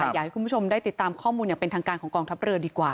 อยากให้คุณผู้ชมได้ติดตามข้อมูลอย่างเป็นทางการของกองทัพเรือดีกว่า